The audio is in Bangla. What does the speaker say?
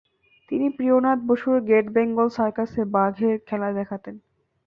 তিনি প্রিয়নাথ বসুর গ্রেট বেঙ্গল সার্কাসে বাঘের খেলা দেখাতেন।